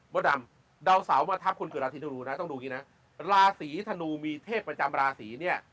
บ๊อตดำดาวเสามาทับคนเกิดราษีธนูนะต้องดูกินนะราศรีธนูมีเทพประจำราศรีเนี้ย